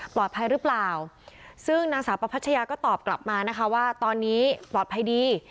หรือเปล่าซึ่งนางสาวประพัชยาก็ตอบกลับมานะคะว่าตอนนี้ปลอดภัยดี